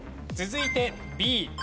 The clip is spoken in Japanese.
続いてＢ。